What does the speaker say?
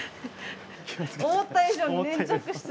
思った以上に粘着質。